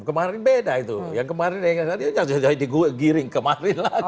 kemarin beda itu yang kemarin ya jadi gue giring kemarin lagi